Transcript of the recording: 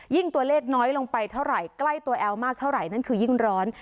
ตัวเลขน้อยลงไปเท่าไหร่ใกล้ตัวแอลมากเท่าไหร่นั่นคือยิ่งร้อน